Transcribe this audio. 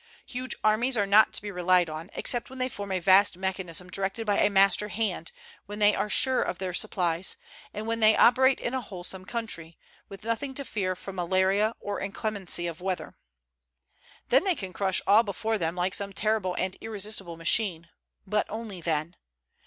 Huge armies are not to be relied on, except when they form a vast mechanism directed by a master hand, when they are sure of their supplies, and when they operate in a wholesome country, with nothing to fear from malaria or inclemency of weather. Then they can crush all before them like some terrible and irresistible machine; but only then.